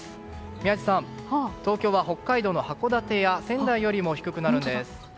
宮司さん東京は北海道の函館や仙台よりも低くなるんです。